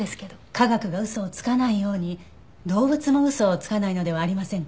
科学が嘘をつかないように動物も嘘をつかないのではありませんか？